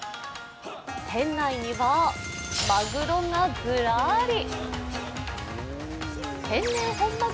店内には、まぐろがずらり。